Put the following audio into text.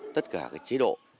tất cả cái chế độ